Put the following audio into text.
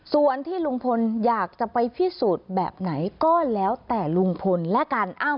ส่วนที่ลุงพลอยากจะไปพิสูจน์แบบไหนก็แล้วแต่ลุงพลและการอ้าง